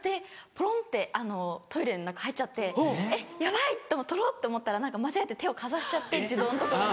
ポロンってトイレの中入っちゃってヤバい取ろうと思ったら間違えて手をかざしちゃって自動の所に。